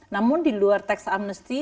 namun di luar tax amnesty